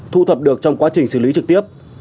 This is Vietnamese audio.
thu thập được trong quá trình xử lý trực tiếp